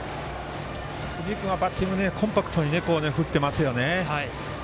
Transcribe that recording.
藤井君はバッティングコンパクトに振っていますよね。